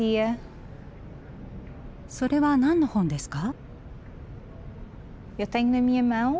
それは何の本ですか？